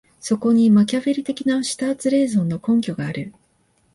そこにマキァヴェリ的なシュターツ・レーゾンの根拠がある。